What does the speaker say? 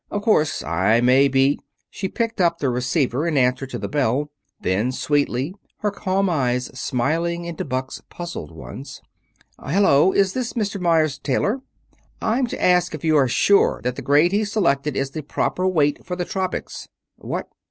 Of course, I may be " She picked up the receiver in answer to the bell. Then, sweetly, her calm eyes smiling into Buck's puzzled ones: "Hello! Is this Mr. Meyers' tailor? I'm to ask if you are sure that the grade he selected is the proper weight for the tropics. What?